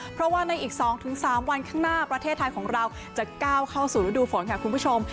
เพราะว่าในอีก๒๓วันข้างหน้าประเทศไทยของเราจะก้าวเข้าสู่ฤดูฝนค่ะคุณผู้ชม